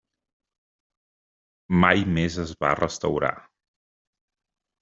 Mai més es va restaurar.